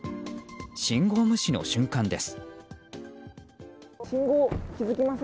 信号無視の瞬間です。